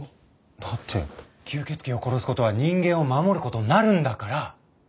だって吸血鬼を殺す事は人間を守る事になるんだから。